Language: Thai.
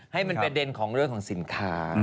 ให้มันประเด็นของเรื่องของสินค้า